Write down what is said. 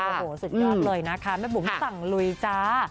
โอ้โหสุดยอดเลยนะคะแม่บุ๋มสั่งลุยจ้า